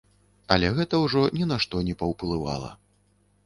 Але гэта ўжо ні на што не паўплывала.